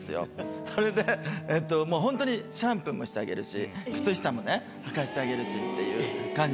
それでもう本当にシャンプーもしてあげるし靴下もねはかせてあげるしっていう感じだったんですよ。